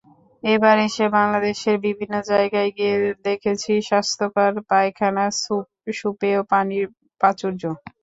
এবার এসে বাংলাদেশের বিভিন্ন জায়গায় গিয়ে দেখেছি স্বাস্থ্যকর পায়খানা, সুপেয় পানির প্রাচুর্য।